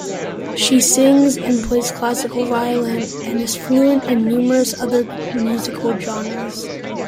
She sings, and plays classical violin, and is fluent in numerous other musical genres.